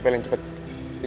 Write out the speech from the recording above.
dalem gue lihat lu muam